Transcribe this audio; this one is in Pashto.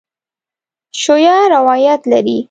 شیعه روایت لري.